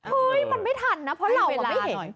เฮ้ยมันไม่ทันนะเพราะเราก็ไม่เห็นให้เวลาหน่อย